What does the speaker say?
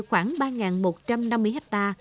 khoảng ba một trăm năm mươi ha